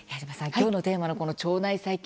今日のテーマの腸内細菌